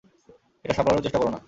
এটা সামলানোর চেষ্টা করো না।